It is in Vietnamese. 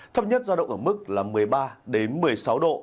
thấp nhất giao động ở mức là một mươi ba một mươi sáu độ